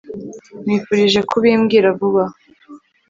nkwifurije kubimbwira vuba